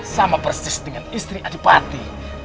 sama persis dengan istri adipati